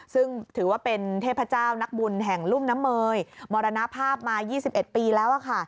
ซึ่งถือว่าเป็นเทพเจ้านักบุญแห่งลุ่มน้ำเมยมรณภาพมา๒๑ปีแล้ว